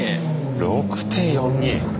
６．４２。